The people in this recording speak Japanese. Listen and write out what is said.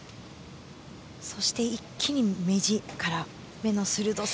そして一気に目力、目の鋭さ